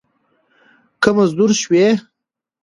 که مزدور شوې